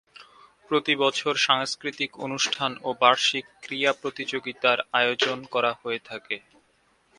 প্রতিবছর সাংস্কৃতিক অনুষ্ঠান ও বার্ষিক ক্রীড়া প্রতিযোগিতার আয়োজন করা হয়ে থাকে।